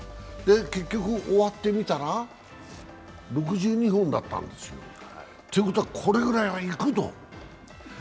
結局、終わってみたら６２本だったんですよ。ということは、これぐらいは行くと？